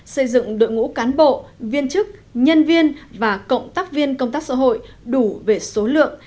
xây dựng đội ngũ cán bộ viên chức nhân viên và cộng tác viên công tác xã hội đủ về số lượng